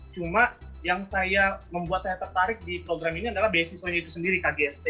cuma yang saya membuat saya tertarik di program ini adalah beasiswanya itu sendiri kgst